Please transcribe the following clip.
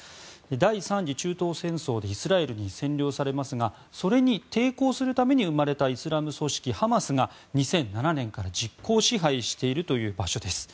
第３次中東戦争でイスラエルに占領されますがそれに抵抗するために生まれたイスラム組織ハマスが２００７年から実効支配しているという場所です。